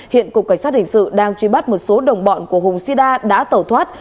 hiện cục cảnh sát hình sự đang truy bắt một số đồng bọn của hùng sida đã tẩu thoát